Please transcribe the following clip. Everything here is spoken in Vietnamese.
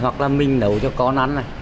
hoặc là mình nấu cho con ăn này